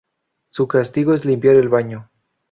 Su castigo es limpiar el baño.